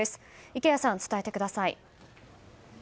池谷さん、伝えてください。